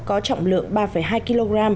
có trọng lượng ba hai kg